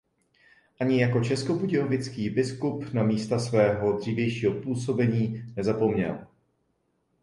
Ani jako českobudějovický biskup na místa svého dřívějšího působení nezapomněl.